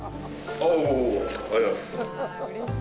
おぉ、ありがとうございます。